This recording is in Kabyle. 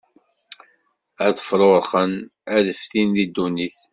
Ad fṛuṛxen, ad ftin di ddunit.